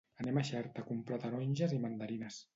Anem a Xerta a comprar taronges i mandarines.